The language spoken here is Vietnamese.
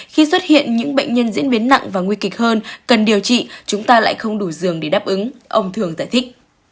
khi xuất hiện những bệnh nhân diễn biến nặng và nguy kịch hơn cần điều trị chúng ta lại không đủ giường để đáp ứng ông thường giải thích